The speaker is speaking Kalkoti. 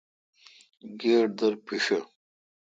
گیٹ در پیݭہ۔